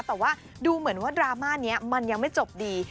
แต่ว่าดูเหมือนว่าดราม่านี้มันยังไม่จบดี